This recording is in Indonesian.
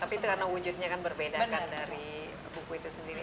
tapi itu karena wujudnya kan berbeda kan dari buku itu sendiri